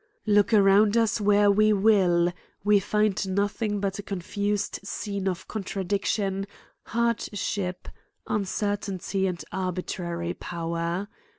Look around us where we will, we find no thing but a confused scene of contradiction, hard ship, uncertainty, and arbitrary power.